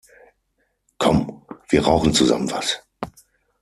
Komm, wir rauchen zusammen was!